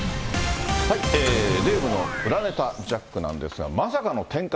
デーブの裏ネタジャックなんですが、まさかの展開